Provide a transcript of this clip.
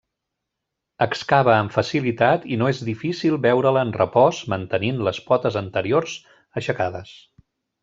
Excava amb facilitat i no és difícil veure-la en repòs mantenint les potes anteriors aixecades.